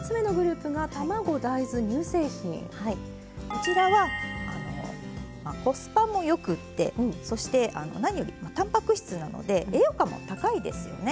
こちらはコスパもよくってそして何よりたんぱく質なので栄養価も高いですよね。